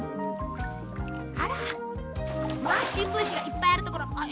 あらまあしんぶんしがいっぱいあるところ。